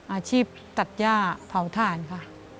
อาชีพตัดย่าเผาถ่านค่ะ